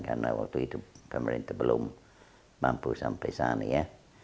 karena waktu itu pemerintah belum mampu sampai sana ya